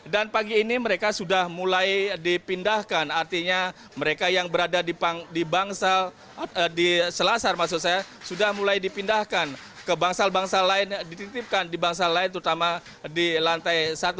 dan pagi ini mereka sudah mulai dipindahkan artinya mereka yang berada di selasar sudah mulai dipindahkan ke bangsal bangsal lain dititipkan di bangsal lain terutama di lantai satu